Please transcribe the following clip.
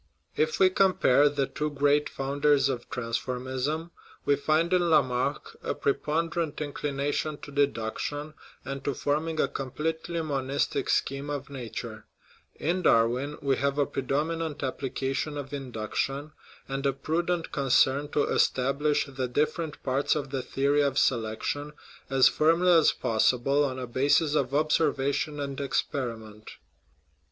If we compare the two great founders of transform ism, we find in Lamarck a preponderant inclination to deduction, and to forming a completely monistic scheme of nature ; in Darwin we have a predominant applica 78 THE HISTORY OF OUR SPECIES tion of induction, and a prudent concern to establish the different parts of the theory of selection as firmly as possible on a basis of observation and experiment.